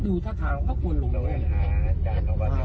ดูถ้าถามเขาก็กวนหลุมแล้วอีก